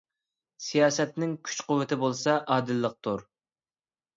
سىياسەتنىڭ كۈچ - قۇۋۋىتى بولسا ئادىللىقتۇر.